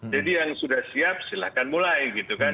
yang sudah siap silahkan mulai gitu kan